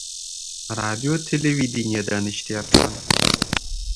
radio-televideniyedan eshitayapsan.